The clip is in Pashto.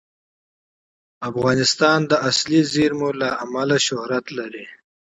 افغانستان د طبیعي زیرمې له امله شهرت لري.